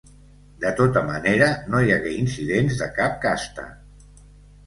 De tota manera, no hi hagué incidents de cap casta.